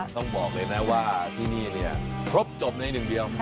ต้องบอกเลยนะว่าที่นี่เนี่ยครบจบในหนึ่งเดียว